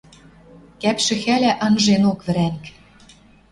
Кӓпшӹ хӓлӓ анженок вӹрӓнг...